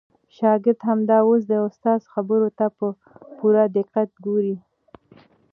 شاګرد همدا اوس د استاد خبرو ته په پوره دقت ګوري.